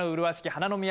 花の都